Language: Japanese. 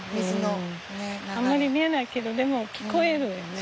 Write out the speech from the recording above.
あんまり見えないけどでも聞こえるよね。